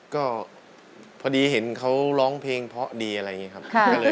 ก็พอดีเห็นเขาร้องเพลงเพราะดีอะไรอย่างนี้ครับ